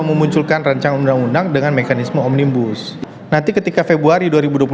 memunculkan rancangan undang undang dengan mekanisme omnibus nanti ketika februari